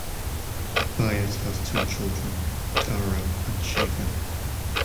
Bayat has two children, Tara and Shiva.